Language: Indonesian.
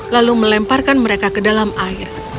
lalu melemparkan mereka ke dalam air